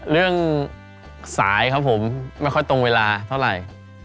เรื่องสายครับผมไม่ค่อยตรงเวลาเท่าไหร่